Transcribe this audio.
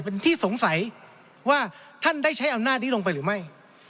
เป็นที่สงสัยว่าท่านได้ใช้อำนาจนี้ลงไปหรือไม่